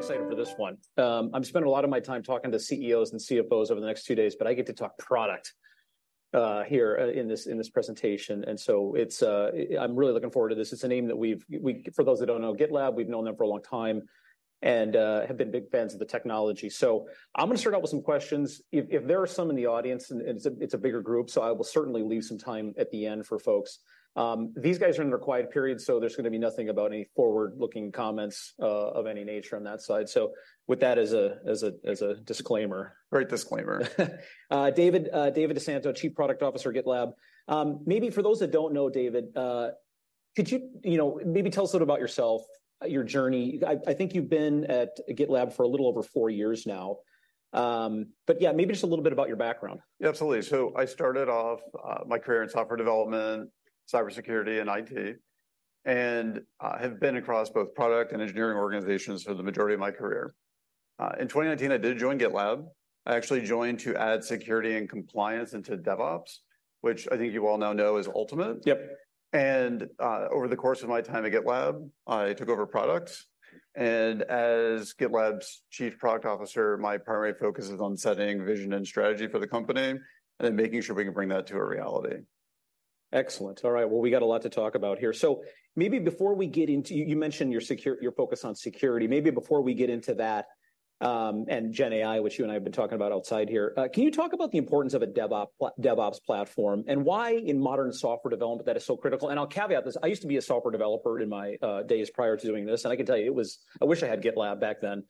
I'm really excited for this one. I'm spending a lot of my time talking to CEOs and CFOs over the next two days, but I get to talk product here in this presentation, and so I'm really looking forward to this. It's a name that for those that don't know GitLab, we've known them for a long time and have been big fans of the technology. So I'm gonna start out with some questions. If there are some in the audience, and it's a bigger group, so I will certainly leave some time at the end for folks. These guys are under a quiet period, so there's gonna be nothing about any forward-looking comments of any nature on that side. So with that as a disclaimer- Great disclaimer. David, David DeSanto, Chief Product Officer at GitLab. Maybe for those that don't know David, could you, you know, maybe tell us a little about yourself, your journey? I think you've been at GitLab for a little over four years now. But yeah, maybe just a little bit about your background. Yeah, absolutely. So I started off my career in software development, cybersecurity, and IT, and I have been across both product and engineering organizations for the majority of my career. In 2019, I did join GitLab. I actually joined to add security and compliance into DevOps, which I think you all now know as Ultimate. Yep. Over the course of my time at GitLab, I took over product, and as GitLab's Chief Product Officer, my primary focus is on setting vision and strategy for the company and then making sure we can bring that to a reality. Excellent. All right, well, we've got a lot to talk about here. So maybe before we get into... you mentioned your focus on security. Maybe before we get into that, and GenAI, which you and I have been talking about outside here, can you talk about the importance of a DevOps platform, and why in modern software development that is so critical? And I'll caveat this, I used to be a software developer in my days prior to doing this, and I can tell you, it was... I wish I had GitLab back then.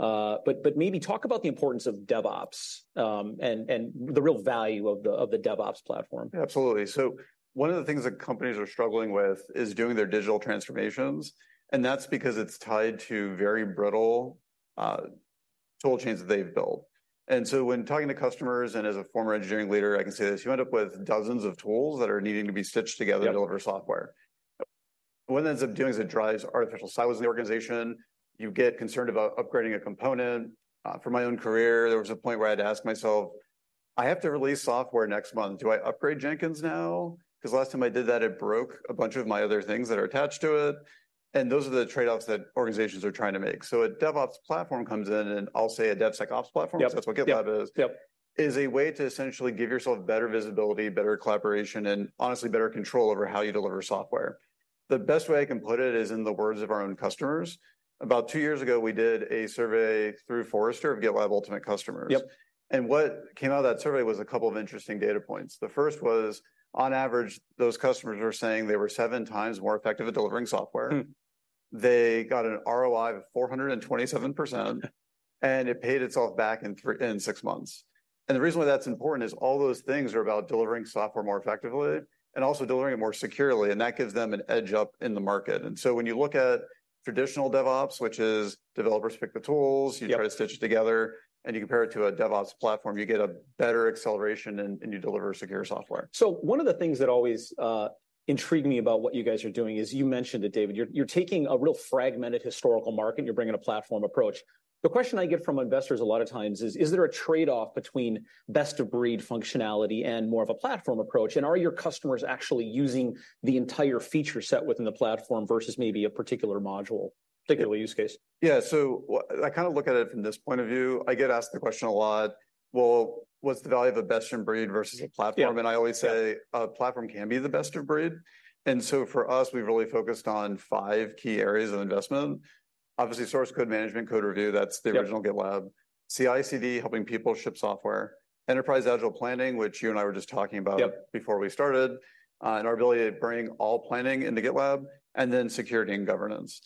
But maybe talk about the importance of DevOps, and the real value of the DevOps platform. Absolutely. So one of the things that companies are struggling with is doing their digital transformations, and that's because it's tied to very brittle tool chains that they've built. And so when talking to customers, and as a former engineering leader, I can say this, you end up with dozens of tools that are needing to be stitched together- Yep... to deliver software. What it ends up doing is it drives artificial silos in the organization. You get concerned about upgrading a component. From my own career, there was a point where I had to ask myself: I have to release software next month. Do I upgrade Jenkins now? 'Cause last time I did that, it broke a bunch of my other things that are attached to it. And those are the trade-offs that organizations are trying to make. So a DevOps platform comes in, and I'll say a DevSecOps platform- Yep, yep... 'cause that's what GitLab is- Yep... is a way to essentially give yourself better visibility, better collaboration, and honestly, better control over how you deliver software. The best way I can put it is in the words of our own customers. About two years ago, we did a survey through Forrester of GitLab Ultimate customers. Yep. What came out of that survey was a couple of interesting data points. The first was, on average, those customers were saying they were 7 times more effective at delivering software. Hmm. They got an ROI of 427%, and it paid itself back in six months. The reason why that's important is all those things are about delivering software more effectively and also delivering it more securely, and that gives them an edge up in the market. So when you look at traditional DevOps, which is developers pick the tools- Yep... you try to stitch it together, and you compare it to a DevOps platform, you get a better acceleration, and you deliver secure software. So one of the things that always intrigued me about what you guys are doing is, you mentioned it, David, you're, you're taking a real fragmented historical market, and you're bringing a platform approach. The question I get from investors a lot of times is: Is there a trade-off between best-of-breed functionality and more of a platform approach, and are your customers actually using the entire feature set within the platform versus maybe a particular module, particular use case? Yeah, so what... I kind of look at it from this point of view. I get asked the question a lot: "Well, what's the value of a best-in-breed versus a platform? Yeah. And I always say- Yeah... "A platform can be the best of breed." And so for us, we've really focused on five key areas of investment. Obviously, source code management, code review, that's the- Yep... original GitLab. CI/CD, helping people ship software. Enterprise agile planning, which you and I were just talking about- Yep... before we started, and our ability to bring all planning into GitLab, and then security and governance.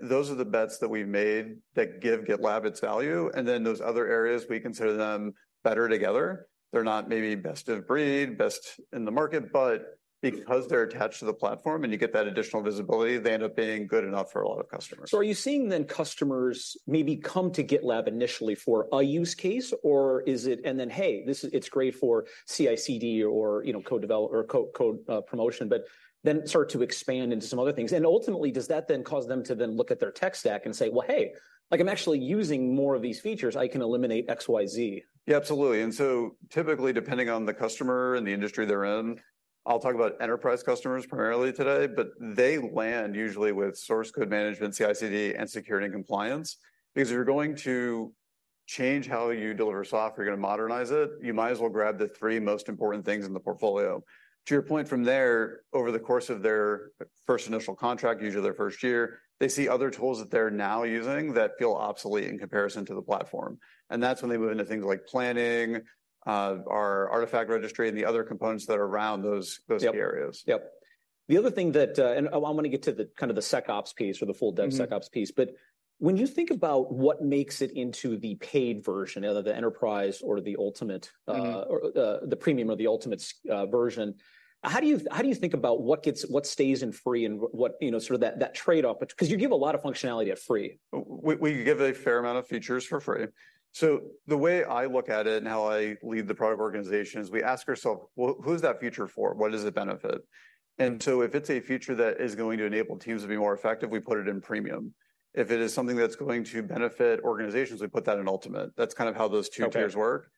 Those are the bets that we've made that give GitLab its value, and then those other areas, we consider them better together. They're not maybe best of breed, best in the market, but because they're attached to the platform and you get that additional visibility, they end up being good enough for a lot of customers. So are you seeing, then, customers maybe come to GitLab initially for a use case, or is it... And then, "Hey, this is, it's great for CI/CD or, you know, code development or code promotion," but then start to expand into some other things. And ultimately, does that then cause them to then look at their tech stack and say, "Well, hey, like, I'm actually using more of these features. I can eliminate XYZ? Yeah, absolutely. So typically, depending on the customer and the industry they're in, I'll talk about enterprise customers primarily today, but they land usually with source code management, CI/CD, and security and compliance. Because if you're going to change how you deliver software, you're gonna modernize it, you might as well grab the three most important things in the portfolio. To your point, from there, over the course of their first initial contract, usually their first year, they see other tools that they're now using that feel obsolete in comparison to the platform, and that's when they move into things like planning, our artifact registry, and the other components that are around those key areas. Yep, yep. The other thing that, And I wanna get to the kind of the SecOps piece or the full DevSecOps- Mm-hmm... piece, but when you think about what makes it into the paid version, either the Enterprise or the Ultimate- Mm-hmm... or the Premium or the Ultimate version, how do you think about what gets... What stays in free and what, you know, sort of that trade-off? Because you give a lot of functionality at free. We give a fair amount of features for free. So the way I look at it and how I lead the product organization is we ask ourselves: "Well, who's that feature for? What does it benefit? Mm. If it's a feature that is going to enable teams to be more effective, we put it in Premium. If it is something that's going to benefit organizations, we put that in Ultimate. That's kind of how those two tiers work.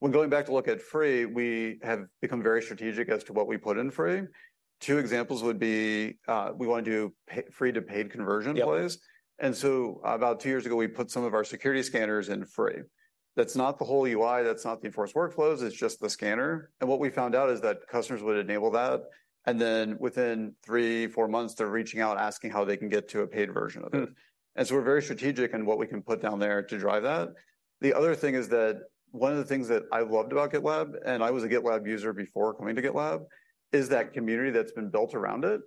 When going back to look at free, we have become very strategic as to what we put in free. Two examples would be, we wanna do free to paid conversion plays. Yep. And so about two years ago, we put some of our security scanners for free. That's not the whole UI, that's not the enforced workflows, it's just the scanner. And what we found out is that customers would enable that, and then within three to four months, they're reaching out, asking how they can get to a paid version of it. Hmm. And so we're very strategic in what we can put down there to drive that. The other thing is that one of the things that I loved about GitLab, and I was a GitLab user before coming to GitLab, is that community that's been built around it,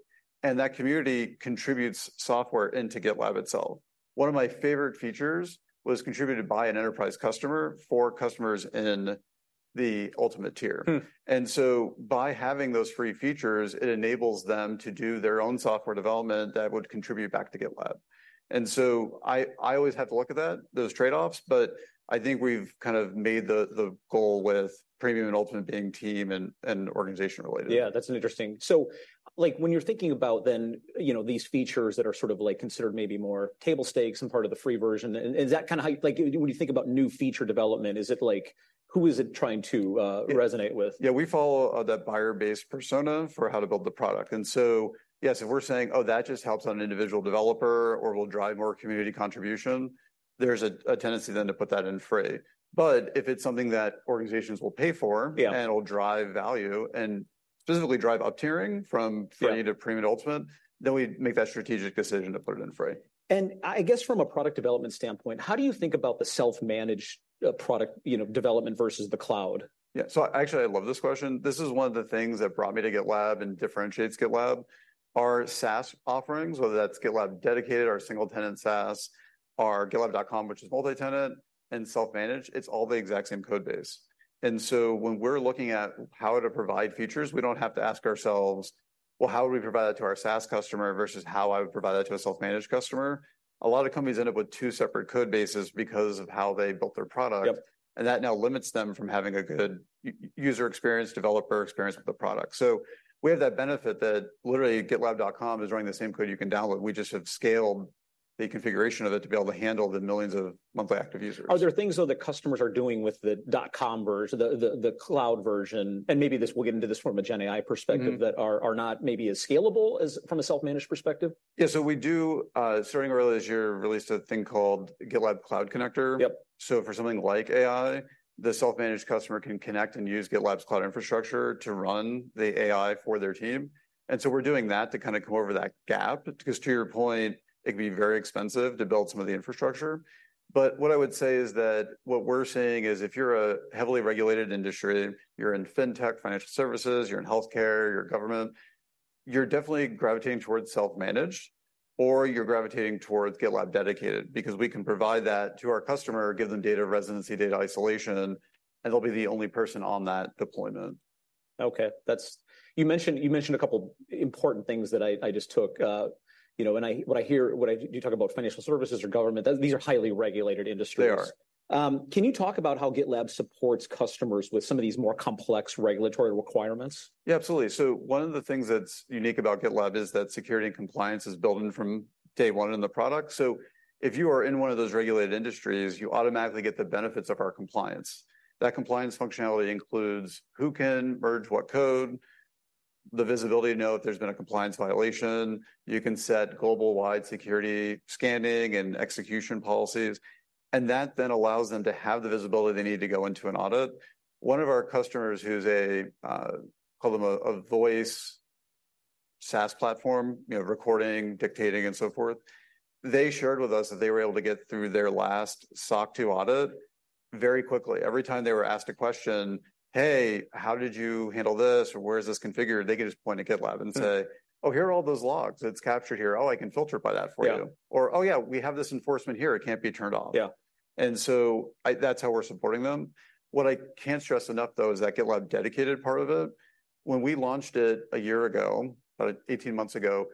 and that community contributes software into GitLab itself. One of my favorite features was contributed by an enterprise customer for customers in the Ultimate tier. Hmm. By having those free features, it enables them to do their own software development that would contribute back to GitLab. And so I, I always have to look at that, those trade-offs, but I think we've kind of made the, the goal with Premium and Ultimate being team and, and organization related. Yeah, that's an interesting... So, like, when you're thinking about then, you know, these features that are sort of, like, considered maybe more table stakes and part of the free version, and is that kinda how... Like, when you think about new feature development, is it, like, who is it trying to resonate with? Yeah, we follow that buyer-based persona for how to build the product. And so, yes, if we're saying, "Oh, that just helps an individual developer or will drive more community contribution," there's a tendency then to put that in free. But if it's something that organizations will pay for- Yeah... and it'll drive value, and specifically drive up-tiering from- Right... Free to Premium to Ultimate, then we make that strategic decision to put it in Free. I guess from a product development standpoint, how do you think about the self-managed product, you know, development versus the cloud? Yeah, so actually, I love this question. This is one of the things that brought me to GitLab and differentiates GitLab. Our SaaS offerings, whether that's GitLab Dedicated, our single-tenant SaaS, our gitlab.com, which is multi-tenant, and self-managed, it's all the exact same code base. And so when we're looking at how to provide features, we don't have to ask ourselves, "Well, how would we provide that to our SaaS customer versus how I would provide that to a self-managed customer?" A lot of companies end up with two separate code bases because of how they built their product- Yep... and that now limits them from having a good user experience, developer experience with the product. So we have that benefit that literally GitLab.com is running the same code you can download. We just have scaled the configuration of it to be able to handle the millions of monthly active users. Are there things, though, that customers are doing with the .com version, the cloud version, and maybe this, we'll get into this from a GenAI perspective- Mm-hmm... that are not maybe as scalable as from a self-managed perspective? Yeah, so we do, starting early this year, released a thing called GitLab Cloud Connector. Yep. So for something like AI, the self-managed customer can connect and use GitLab's cloud infrastructure to run the AI for their team. And so we're doing that to kinda come over that gap, because to your point, it can be very expensive to build some of the infrastructure. But what I would say is that what we're seeing is if you're a heavily regulated industry, you're in fintech, financial services, you're in healthcare, you're government, you're definitely gravitating towards self-managed, or you're gravitating towards GitLab Dedicated. Because we can provide that to our customer, give them data residency, data isolation, and they'll be the only person on that deployment. Okay, that's... You mentioned, you mentioned a couple important things that I just took, you know, and what I hear, what I... You talk about financial services or government. These are highly regulated industries. They are. Can you talk about how GitLab supports customers with some of these more complex regulatory requirements? Yeah, absolutely. So one of the things that's unique about GitLab is that security and compliance is built in from day one in the product. So if you are in one of those regulated industries, you automatically get the benefits of our compliance. That compliance functionality includes who can merge what code, the visibility to know if there's been a compliance violation. You can set global-wide security scanning and execution policies, and that then allows them to have the visibility they need to go into an audit. One of our customers, who's a call them a voice SaaS platform, you know, recording, dictating, and so forth, they shared with us that they were able to get through their last SOC 2 audit very quickly. Every time they were asked a question, "Hey, how did you handle this," or, "Where is this configured?" they could just point to GitLab and say... "Oh, here are all those logs. It's captured here. Oh, I can filter by that for you. Yeah. Or, "Oh yeah, we have this enforcement here. It can't be turned off. Yeah. And so that's how we're supporting them. What I can't stress enough, though, is that GitLab Dedicated part of it, when we launched it a year ago, about 18 months ago,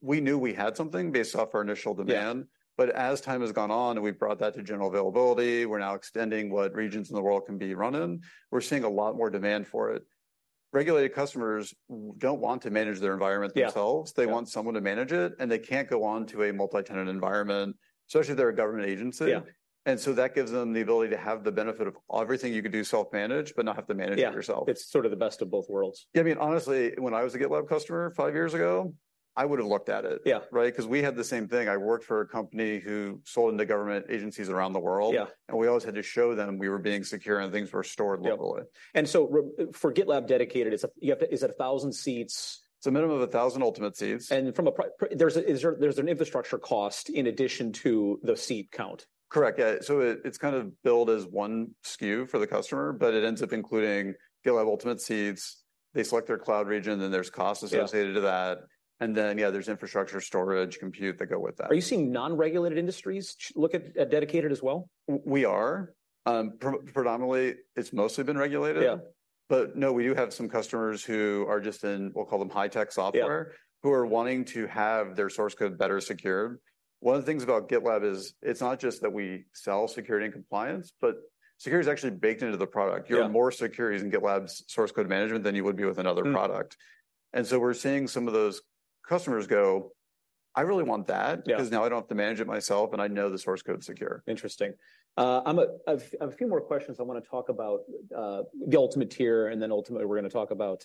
we knew we had something based off our initial demand. Yeah. But as time has gone on and we've brought that to general availability, we're now extending what regions in the world can be run in. We're seeing a lot more demand for it. Regulated customers don't want to manage their environment themselves. Yeah. Yeah. They want someone to manage it, and they can't go on to a multi-tenant environment, especially if they're a government agency. Yeah. And so that gives them the ability to have the benefit of everything you could do self-managed, but not have to manage it yourself. Yeah. It's sort of the best of both worlds. Yeah, I mean, honestly, when I was a GitLab customer five years ago, I would've looked at it- Yeah... right? 'Cause we had the same thing. I worked for a company who sold into government agencies around the world. Yeah. We always had to show them we were being secure, and things were stored locally. Yep. And so for GitLab Dedicated, it's, you have to, is it 1,000 seats? It's a minimum of 1,000 Ultimate seats. Is there an infrastructure cost in addition to the seat count? Correct, yeah. So it, it's kind of billed as one SKU for the customer, but it ends up including GitLab Ultimate seats. They select their cloud region, then there's costs associated to that. Yeah. And then, yeah, there's infrastructure, storage, compute that go with that. Are you seeing non-regulated industries look at, at Dedicated as well? We are. Predominantly, it's mostly been regulated. Yeah. But no, we do have some customers who are just in, we'll call them high-tech software- Yeah... who are wanting to have their source code better secured. One of the things about GitLab is, it's not just that we sell security and compliance, but security is actually baked into the product. Yeah. You're more secure using GitLab's source code management than you would be with another product. Hmm. We're seeing some of those customers. I really want that. Yeah. Because now I don't have to manage it myself, and I know the source code's secure. Interesting. I have a few more questions. I wanna talk about the Ultimate tier, and then ultimately, we're gonna talk about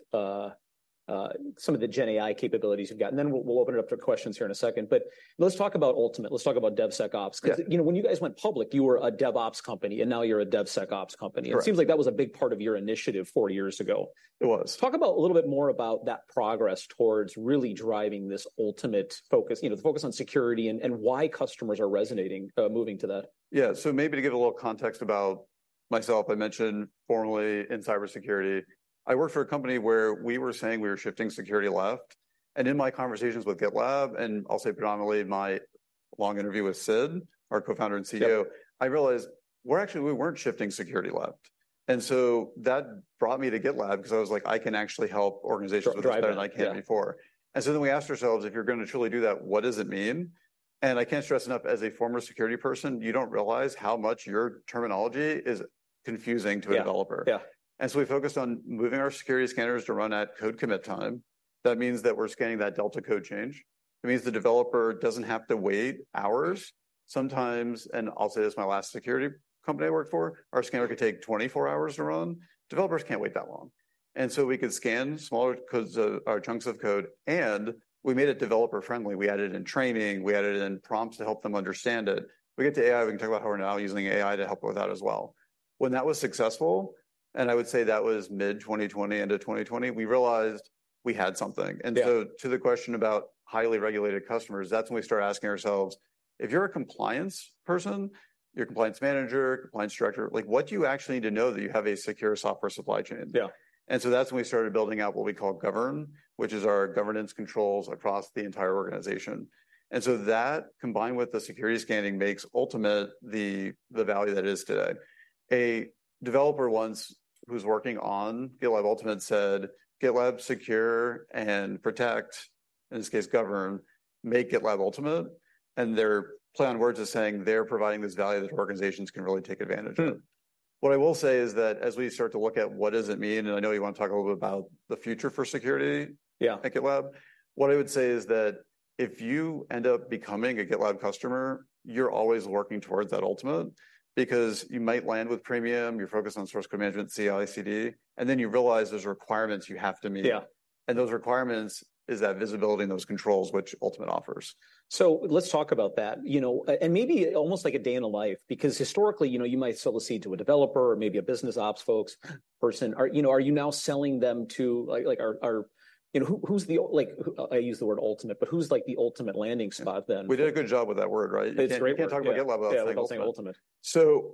some of the GenAI capabilities you've got, and then we'll open it up to questions here in a second. But let's talk about Ultimate. Let's talk about DevSecOps. Yeah. 'Cause, you know, when you guys went public, you were a DevOps company, and now you're a DevSecOps company. Correct. It seems like that was a big part of your initiative four years ago. It was. Talk about a little bit more about that progress towards really driving this Ultimate focus, you know, the focus on security, and why customers are resonating moving to that. Yeah, so maybe to give a little context about myself, I mentioned formerly in cybersecurity, I worked for a company where we were saying we were shifting security left. In my conversations with GitLab, and I'll say predominantly my long interview with Sid, our co-founder and CEO- Yeah... I realized we're actually, we weren't shifting security left, and so that brought me to GitLab 'cause I was like, "I can actually help organizations- Drive it, yeah.... do better than I can before." And so then we asked ourselves, "If you're gonna truly do that, what does it mean?" And I can't stress enough, as a former security person, you don't realize how much your terminology is confusing to a developer. Yeah. Yeah. And so we focused on moving our security scanners to run at code commit time. That means that we're scanning that delta code change. It means the developer doesn't have to wait hours sometimes, and I'll say this, my last security company I worked for, our scanner could take 24 hours to run. Developers can't wait that long. And so we could scan smaller codes of, or chunks of code, and we made it developer-friendly. We added in training. We added in prompts to help them understand it. We get to AI, we can talk about how we're now using AI to help with that as well. When that was successful, and I would say that was mid-2020 into 2020, we realized we had something. Yeah. And so to the question about highly regulated customers, that's when we started asking ourselves, "If you're a compliance person, you're a compliance manager, compliance director, like, what do you actually need to know that you have a secure software supply chain? Yeah. And so that's when we started building out what we call Govern, which is our governance controls across the entire organization. And so that, combined with the security scanning, makes Ultimate the value that it is today. A developer once, who was working on GitLab Ultimate said, "GitLab Secure and Protect," in this case Govern, "make GitLab Ultimate," and their play on words is saying they're providing this value that organizations can really take advantage of. Hmm. What I will say is that, as we start to look at what does it mean, and I know you wanna talk a little bit about the future for security- Yeah... at GitLab. What I would say is that if you end up becoming a GitLab customer, you're always working towards that Ultimate. Because you might land with Premium, you're focused on source code management, CICD, and then you realize there's requirements you have to meet. Yeah. Those requirements is that visibility and those controls, which Ultimate offers. So let's talk about that. You know, and maybe almost like a day in the life, because historically, you know, you might sell a seat to a developer or maybe a business ops folks person. You know, are you now selling them to... Like, who, who's the Ultimate... like, who... I use the word Ultimate, but who's, like, the ultimate landing spot then? We did a good job with that word, right? It's great. You can't talk about GitLab without saying Ultimate. Yeah, without saying Ultimate. So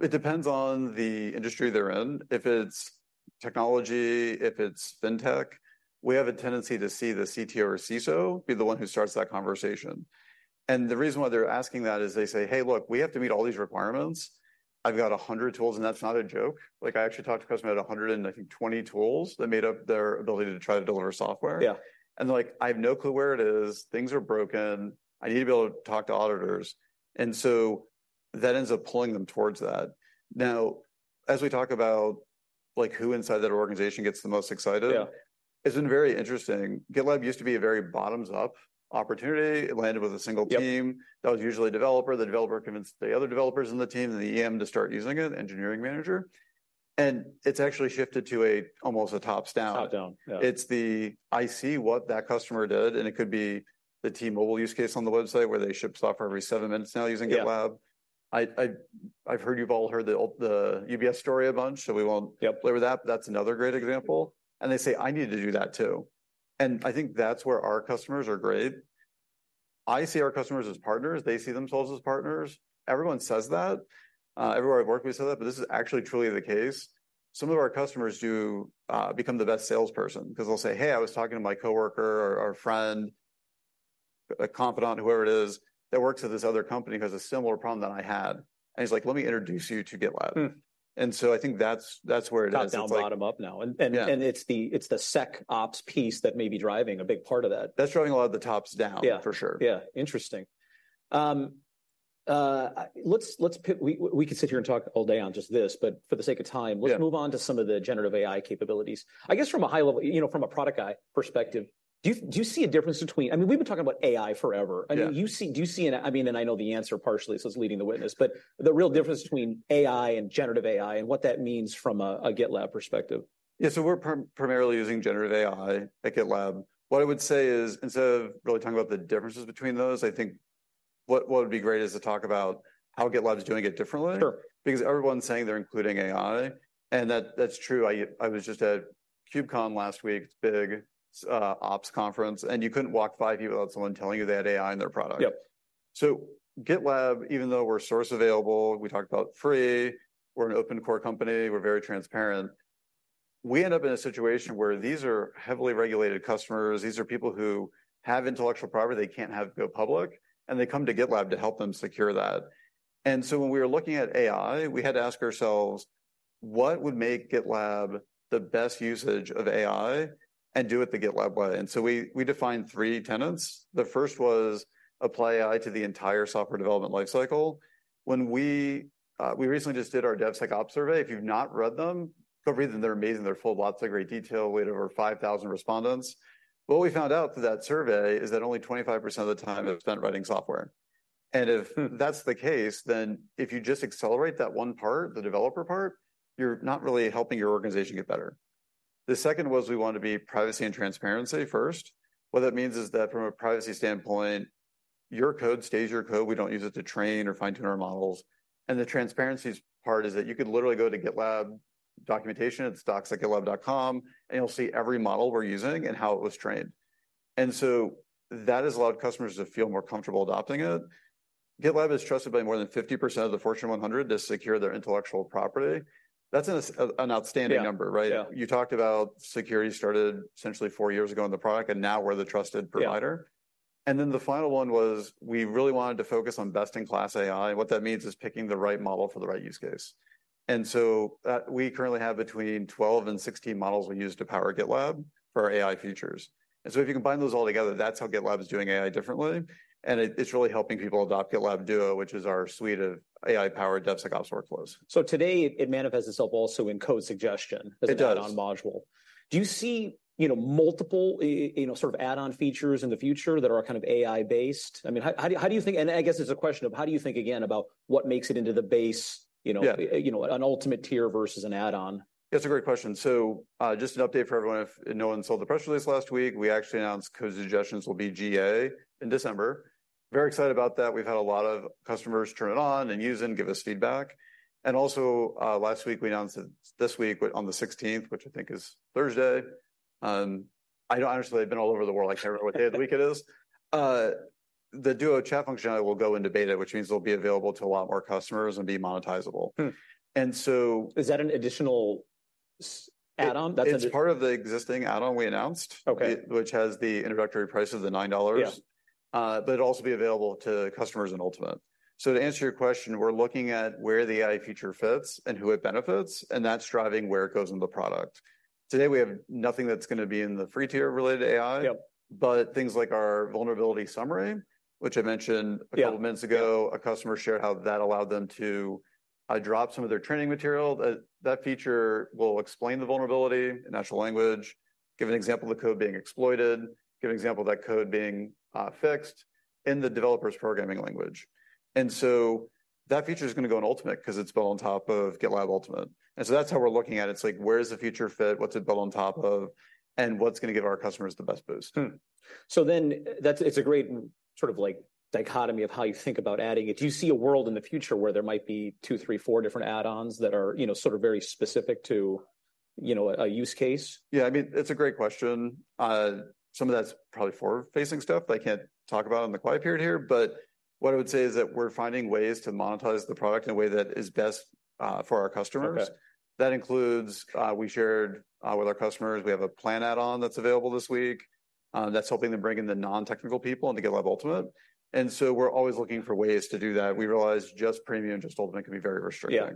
it depends on the industry they're in. If it's technology, if it's fintech, we have a tendency to see the CTO or CISO be the one who starts that conversation. And the reason why they're asking that is they say, "Hey, look, we have to meet all these requirements. I've got 100 tools," and that's not a joke. Like, I actually talked to a customer who had 100 and, I think, 20 tools that made up their ability to try to deliver software. Yeah. And they're like: I have no clue where it is, things are broken, I need to be able to talk to auditors. And so that ends up pulling them towards that. Now, as we talk about, like, who inside that organization gets the most excited- Yeah... it's been very interesting. GitLab used to be a very bottoms-up opportunity. It landed with a single team. Yep. That was usually a developer. The developer convinced the other developers in the team and the EM to start using it, engineering manager, and it's actually shifted to almost a top-down. Top-down, yeah. I see what that customer did, and it could be the T-Mobile use case on the website, where they ship software every seven minutes now using GitLab. Yeah. I've heard you've all heard the UBS story a bunch, so we won't- Yep ...belabor that, but that's another great example. And they say, "I need to do that, too." And I think that's where our customers are great. I see our customers as partners. They see themselves as partners. Everyone says that. Everywhere I've worked, we say that, but this is actually truly the case. Some of our customers do become the best salesperson, 'cause they'll say, "Hey, I was talking to my coworker or, or friend, a confidant, whoever it is, that works at this other company, who has a similar problem that I had," and he's like, "Let me introduce you to GitLab. Hmm. And so I think that's where it is. It's like- Top-down, bottom-up now. Yeah. It's the SecOps piece that may be driving a big part of that. That's driving a lot of the top-down- Yeah... for sure. Yeah. Interesting. We could sit here and talk all day on just this, but for the sake of time- Yeah... let's move on to some of the generative AI capabilities. I guess from a high level, you know, from a productivity perspective, do you, do you see a difference between... I mean, we've been talking about AI forever. Yeah. I mean, do you see, do you see an—I mean, and I know the answer partially, so it's leading the witness, but the real difference between AI and generative AI and what that means from a, a GitLab perspective. Yeah, so we're primarily using generative AI at GitLab. What I would say is, instead of really talking about the differences between those, I think what would be great is to talk about how GitLab is doing it differently. Sure. Because everyone's saying they're including AI, and that, that's true. I was just at KubeCon last week, it's big ops conference, and you couldn't walk five people without someone telling you they had AI in their product. Yep. So GitLab, even though we're source available, we talked about free, we're an open-core company, we're very transparent, we end up in a situation where these are heavily regulated customers. These are people who have intellectual property they can't have go public, and they come to GitLab to help them secure that. And so when we were looking at AI, we had to ask ourselves: What would make GitLab the best usage of AI and do it the GitLab way? And so we, we defined three tenets. The first was apply AI to the entire software development life cycle. When we... We recently just did our DevSecOps survey. If you've not read them, go read them. They're amazing. They're full of lots of great detail. We had over 5,000 respondents. What we found out through that survey is that only 25% of the time is spent writing software, and if that's the case, then if you just accelerate that one part, the developer part, you're not really helping your organization get better. The second was we wanted to be privacy and transparency first. What that means is that from a privacy standpoint, your code stays your code. We don't use it to train or fine-tune our models, and the transparency part is that you could literally go to GitLab documentation, it's docs.gitlab.com, and you'll see every model we're using and how it was trained. And so that has allowed customers to feel more comfortable adopting it. GitLab is trusted by more than 50% of the Fortune 100 to secure their intellectual property. That's an outstanding number, right? Yeah, yeah. You talked about security started essentially four years ago in the product, and now we're the trusted provider. Yeah. And then the final one was we really wanted to focus on best-in-class AI, and what that means is picking the right model for the right use case. And so, we currently have between 12 and 16 models we use to power GitLab for our AI features. And so if you combine those all together, that's how GitLab is doing AI differently, and it, it's really helping people adopt GitLab Duo, which is our suite of AI-powered DevSecOps workflows. So today, it manifests itself also in code suggestion- It does... as an add-on module. Do you see, you know, multiple, you know, sort of add-on features in the future that are kind of AI based? I mean, how, how do you, how do you think... And I guess it's a question of, how do you think, again, about what makes it into the base, you know- Yeah... you know, an Ultimate tier versus an add-on? That's a great question. So, just an update for everyone, if no one saw the press release last week, we actually announced Code Suggestions will be GA in December. Very excited about that. We've had a lot of customers turn it on, and use it, and give us feedback. And also, last week, we announced that this week, on the 16th, which I think is Thursday, honestly, I've been all over the world. I can't remember what day of the week it is. The Duo Chat functionality will go into beta, which means it'll be available to a lot more customers and be monetizable. Hmm. And so- Is that an additional add-on? That's an- It's part of the existing add-on we announced- Okay... it, which has the introductory price of the $9. Yeah. But it'll also be available to customers in Ultimate. So to answer your question, we're looking at where the AI feature fits and who it benefits, and that's driving where it goes in the product. Today, we have nothing that's gonna be in the free tier related to AI- Yep... but things like our vulnerability summary, which I mentioned- Yeah... a couple of minutes ago, a customer shared how that allowed them to drop some of their training material. That, that feature will explain the vulnerability in natural language, give an example of the code being exploited, give an example of that code being fixed in the developer's programming language. And so that feature is gonna go in Ultimate because it's built on top of GitLab Ultimate, and so that's how we're looking at it. It's like, where does the feature fit, what's it built on top of, and what's gonna give our customers the best boost? So then, it's a great sort of like dichotomy of how you think about adding it. Do you see a world in the future where there might be two, three, four different add-ons that are, you know, sort of very specific to, you know, a use case? Yeah, I mean, it's a great question. Some of that's probably forward-facing stuff that I can't talk about in the quiet period here. But what I would say is that we're finding ways to monetize the product in a way that is best for our customers. Okay. That includes, we shared with our customers, we have a Plan add-on that's available this week. That's helping them bring in the non-technical people into GitLab Ultimate, and so we're always looking for ways to do that. We realize just Premium, just Ultimate, can be very restricting. Yeah.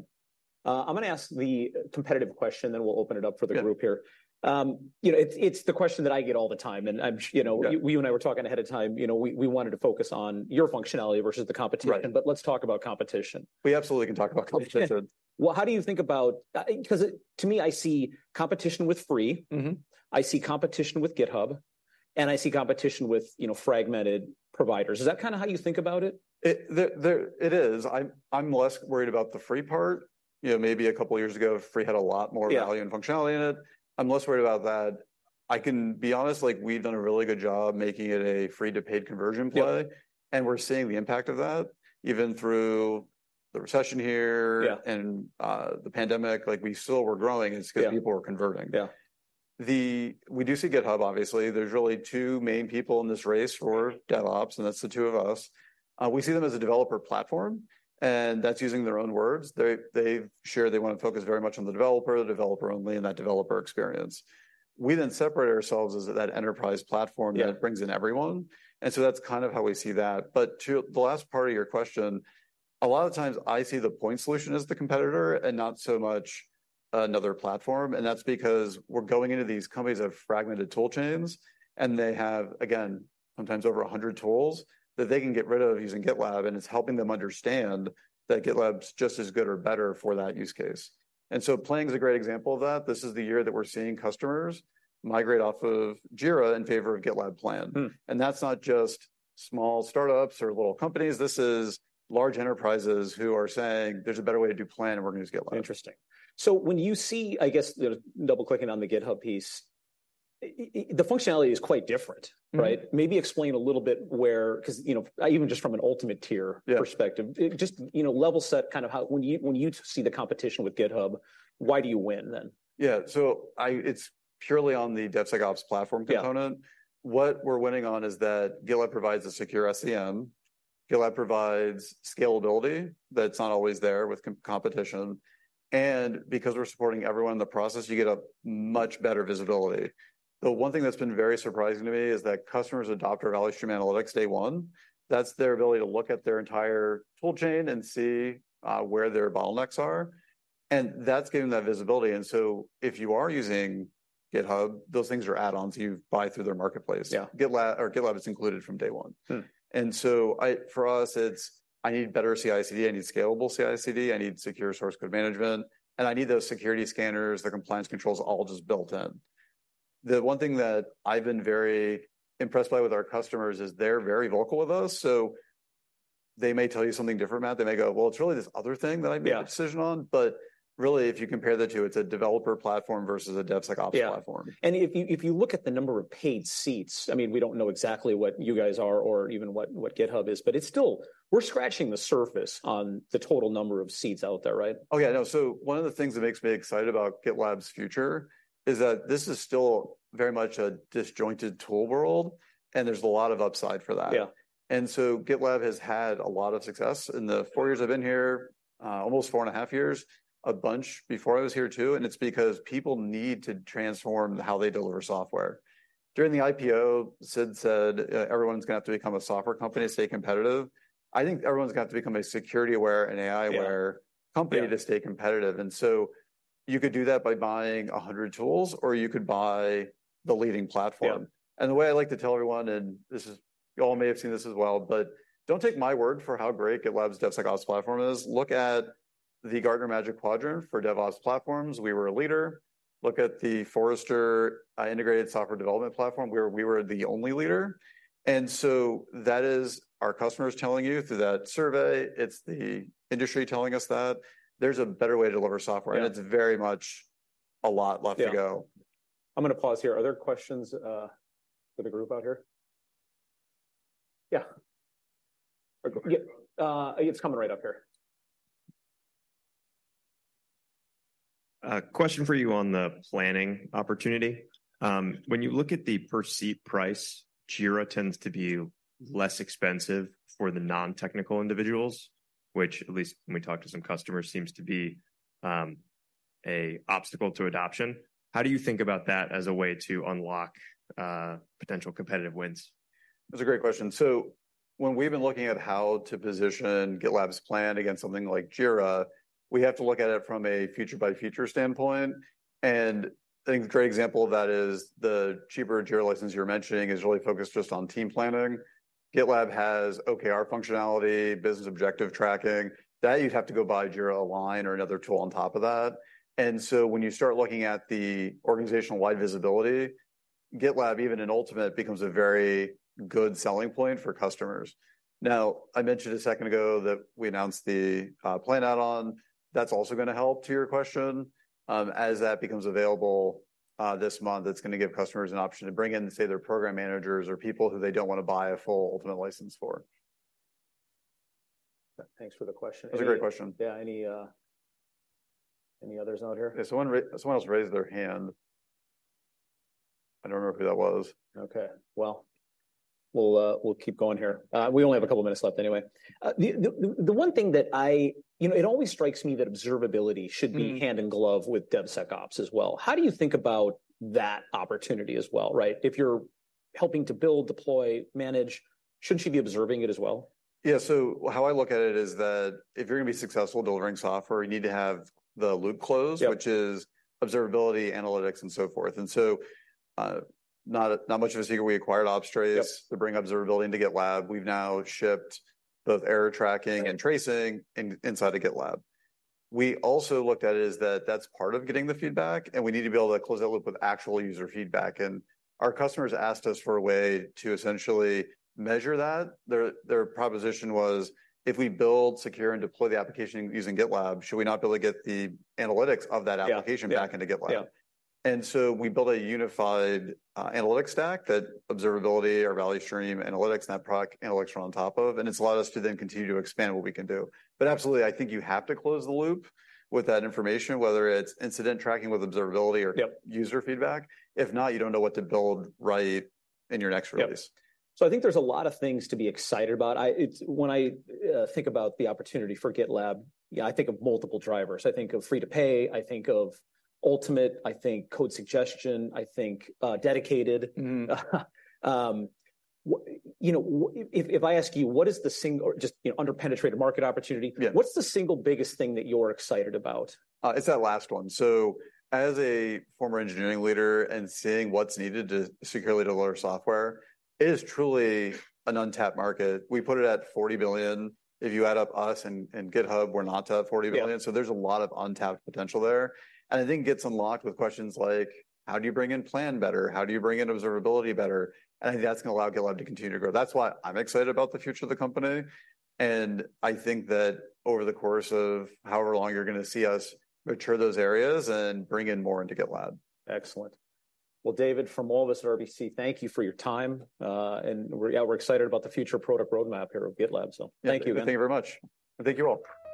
I'm gonna ask the competitive question, then we'll open it up for the group here. Yeah. You know, it's the question that I get all the time, and I'm, you know- Yeah... we and I were talking ahead of time. You know, we wanted to focus on your functionality versus the competition. Right. But let's talk about competition. We absolutely can talk about competition. Well, how do you think about, 'cause to me, I see competition with free. Mm-hmm. I see competition with GitHub, and I see competition with, you know, fragmented providers. Is that kind of how you think about it? It is. I'm less worried about the free part. You know, maybe a couple of years ago, free had a lot more- Yeah... value and functionality in it. I'm less worried about that. I can be honest, like, we've done a really good job making it a free to paid conversion play- Yeah... and we're seeing the impact of that. Even through the recession here- Yeah... and, the pandemic, like, we still were growing- Yeah... it's 'cause people were converting. Yeah. We do see GitHub, obviously. There's really two main people in this race for DevOps, and that's the two of us. We see them as a developer platform, and that's using their own words. They, they've shared they wanna focus very much on the developer, the developer only, and that developer experience. We then separate ourselves as that enterprise platform- Yeah... that brings in everyone, and so that's kind of how we see that. But to the last part of your question, a lot of times, I see the point solution as the competitor and not so much another platform, and that's because we're going into these companies that have fragmented tool chains, and they have, again, sometimes over 100 tools that they can get rid of using GitLab, and it's helping them understand that GitLab's just as good or better for that use case. And so Jira is a great example of that. This is the year that we're seeing customers migrate off of Jira in favor of GitLab Plan. Hmm. That's not just small startups or little companies. This is large enterprises who are saying, "There's a better way to do plan, and we're gonna use GitLab. Interesting. So when you see, I guess, the double-clicking on the GitHub piece, the functionality is quite different, right? Mm-hmm. Maybe explain a little bit 'cause, you know, even just from an Ultimate tier- Yeah... perspective, just, you know, level set kind of how, when you see the competition with GitHub, why do you win then? Yeah, so it's purely on the DevSecOps platform component. Yeah. What we're winning on is that GitLab provides a secure SCM. GitLab provides scalability that's not always there with competition, and because we're supporting everyone in the process, you get a much better visibility. The one thing that's been very surprising to me is that customers adopt our Value Stream Analytics day one. That's their ability to look at their entire tool chain and see where their bottlenecks are, and that's giving them that visibility. And so, if you are using GitHub, those things are add-ons you buy through their marketplace. Yeah. GitLab, or GitLab, it's included from day one. Hmm. And so for us, it's: I need better CI/CD, I need scalable CI/CD, I need secure source code management, and I need those security scanners, the compliance controls, all just built in.... The one thing that I've been very impressed by with our customers is they're very vocal with us. So they may tell you something different, Matt. They may go, "Well, it's really this other thing that I made- Yeah. A decision on." But really, if you compare the two, it's a developer platform versus a DevSecOps platform. Yeah. And if you, if you look at the number of paid seats, I mean, we don't know exactly what you guys are or even what, what GitHub is, but it's still, we're scratching the surface on the total number of seats out there, right? Okay, I know. One of the things that makes me excited about GitLab's future is that this is still very much a disjointed tool world, and there's a lot of upside for that. Yeah. GitLab has had a lot of success. In the four years I've been here, almost four and a half years, a bunch before I was here, too, and it's because people need to transform how they deliver software. During the IPO, Sid said, everyone's gonna have to become a software company to stay competitive. I think everyone's got to become a security-aware and AI-aware— Yeah... company to stay competitive. Yeah. You could do that by buying 100 tools, or you could buy the leading platform. Yeah. The way I like to tell everyone, and this is, you all may have seen this as well, but don't take my word for how great GitLab's DevSecOps platform is. Look at the Gartner Magic Quadrant for DevOps platforms. We were a leader. Look at the Forrester Integrated Software Development Platform, where we were the only leader. And so that is our customers telling you through that survey; it's the industry telling us that there's a better way to deliver software. Yeah... and it's very much a lot left to go. Yeah. I'm gonna pause here. Are there questions for the group out here? Yeah. Yeah, it's coming right up here. Question for you on the planning opportunity. When you look at the per-seat price, Jira tends to be less expensive for the non-technical individuals, which, at least when we talk to some customers, seems to be an obstacle to adoption. How do you think about that as a way to unlock potential competitive wins? That's a great question. So when we've been looking at how to position GitLab Plan against something like Jira, we have to look at it from a feature-by-feature standpoint. And I think a great example of that is the cheaper Jira license you're mentioning is really focused just on team planning. GitLab has OKR functionality, business objective tracking. That, you'd have to go buy Jira Align or another tool on top of that. And so when you start looking at the organization-wide visibility, GitLab, even in Ultimate, becomes a very good selling point for customers. Now, I mentioned a second ago that we announced the plan add-on. That's also gonna help, to your question. As that becomes available, this month, it's gonna give customers an option to bring in, say, their program managers or people who they don't wanna buy a full Ultimate license for. Thanks for the question. It was a great question. Yeah, any, any others out here? Yeah, someone else raised their hand. I don't remember who that was. Okay. Well, we'll keep going here. We only have a couple minutes left anyway. The one thing that I... You know, it always strikes me that observability should be- Mm... hand in glove with DevSecOps as well. How do you think about that opportunity as well, right? If you're helping to build, deploy, manage, shouldn't you be observing it as well? Yeah, so how I look at it is that if you're gonna be successful delivering software, you need to have the loop closed- Yeah... which is observability, analytics, and so forth. And so, not much of a secret, we acquired Opstrace- Yep... to bring observability into GitLab. We've now shipped both error tracking and tracing inside of GitLab. We also looked at it as that's part of getting the feedback, and we need to be able to close that loop with actual user feedback. Our customers asked us for a way to essentially measure that. Their proposition was: if we build, secure, and deploy the application using GitLab, should we not be able to get the analytics of that application- Yeah, yeah... back into GitLab? Yeah. And so we built a unified analytics stack that observability, our Value Stream Analytics, and product analytics are on top of, and it's allowed us to then continue to expand what we can do. But absolutely, I think you have to close the loop with that information, whether it's incident tracking with observability or- Yep... user feedback. If not, you don't know what to build right in your next release. Yep. So I think there's a lot of things to be excited about. I think it's when I think about the opportunity for GitLab, yeah, I think of multiple drivers. I think of free to pay, I think of Ultimate, I think code suggestion, I think dedicated. Mm-hmm. You know, if I ask you, what is the single or just, you know, underpenetrated market opportunity- Yeah... what's the single biggest thing that you're excited about? It's that last one. So as a former engineering leader and seeing what's needed to securely deliver software, it is truly an untapped market. We put it at $40 billion. If you add up us and GitHub, we're not to $40 billion. Yeah. So there's a lot of untapped potential there, and I think it gets unlocked with questions like: How do you bring in Plan better? How do you bring in Observability better? And I think that's gonna allow GitLab to continue to grow. That's why I'm excited about the future of the company, and I think that over the course of however long, you're gonna see us mature those areas and bring in more into GitLab. Excellent. Well, David, from all of us at RBC, thank you for your time. We're excited about the future product roadmap here at GitLab, so thank you, man. Yeah, thank you very much, and thank you, all.